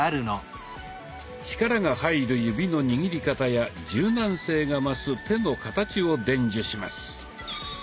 力が入る指の握り方や柔軟性が増す手の形を伝授します。